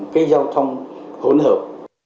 cái giao thông hỗn hợp